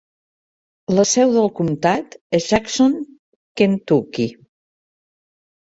La seu del comtat és Jackson, Kentucky.